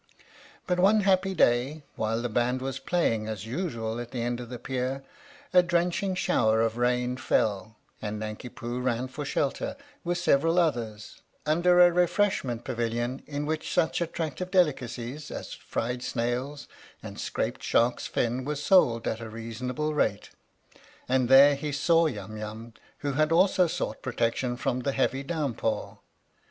But one happy day while the band was playing as usual at the end of the pier, a drench ing shower of rain fell and Nanki Poo ran for shelter, with several others, under a refreshment pavilion in which such attractive delicacies as fried snails and scraped shark's fin were sold at a reasonable rate; and there he saw Yum Yum, who had also sought protection from the heavy downpour.